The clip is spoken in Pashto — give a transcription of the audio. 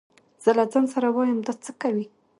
زه له ځان سره وايم دا څه کوي.